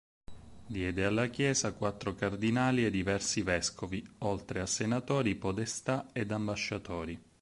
Diede alla Chiesa quattro cardinali e diversi vescovi, oltre a senatori, podestà ed ambasciatori.